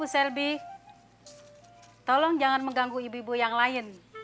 bu selby tolong jangan mengganggu ibu ibu yang lain